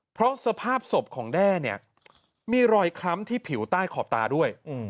เพราะสภาพศพของแด้เนี่ยมีรอยคล้ำที่ผิวใต้ขอบตาด้วย